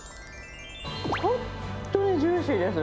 本当にジューシーです。